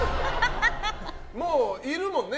もういるもんね。